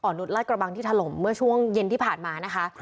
นุษย์ลาดกระบังที่ถล่มเมื่อช่วงเย็นที่ผ่านมานะคะ